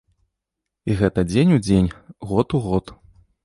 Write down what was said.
І гэта дзень у дзень, год у год.